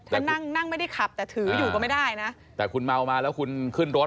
ถ้านั่งนั่งไม่ได้ขับแต่ถืออยู่ก็ไม่ได้นะแต่คุณเมามาแล้วคุณขึ้นรถ